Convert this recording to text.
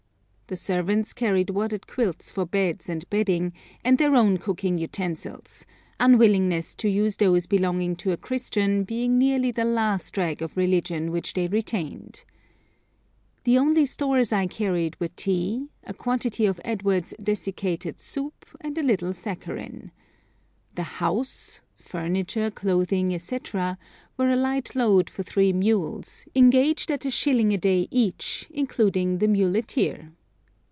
The servants carried wadded quilts for beds and bedding, and their own cooking utensils, unwillingness to use those belonging to a Christian being nearly the last rag of religion which they retained. The only stores I carried were tea, a quantity of Edwards' desiccated soup, and a little saccharin. The 'house,' furniture, clothing, &c., were a light load for three mules, engaged at a shilling a day each, including the muleteer.